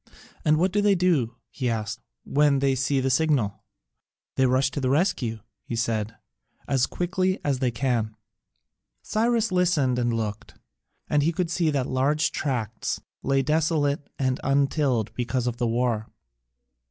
"And what do they do," he asked, "when they see the signal?" "They rush to the rescue," he said, "as quickly as they can." Cyrus listened and looked, and he could see that large tracts lay desolate and untilled because of the war.